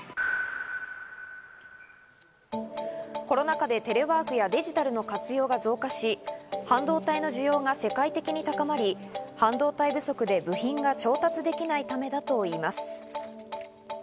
コロナ禍でテレワークやデジタルの活用が増加し、半導体の需要が世界的に高まり、半導体不足で部品が調達できないためだといいます。